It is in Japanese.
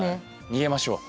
逃げましょう。